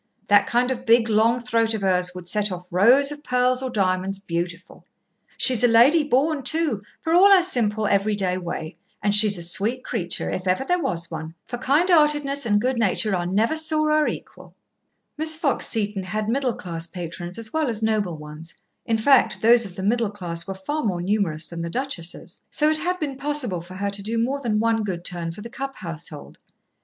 That kind of big long throat of hers would set off rows of pearls or diamonds beautiful! She's a lady born, too, for all her simple, every day way; and she's a sweet creature, if ever there was one. For kind heartedness and good nature I never saw her equal." Miss Fox Seton had middle class patrons as well as noble ones, in fact, those of the middle class were far more numerous than the duchesses, so it had been possible for her to do more than one good turn for the Cupp household.